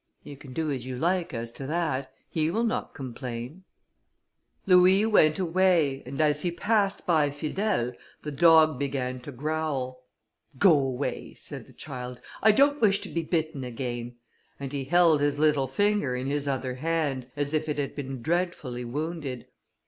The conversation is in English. "You can do as you like as to that, he will not complain." Louis went away, and as he passed by Fidèle, the dog began to growl. "Go away," said the child, "I don't wish to be bitten again," and he held his little finger in his other hand, as if it had been dreadfully wounded.